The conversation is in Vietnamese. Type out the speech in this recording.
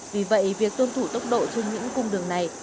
vì vậy việc tuân thủ tốc độ trên những cung đường này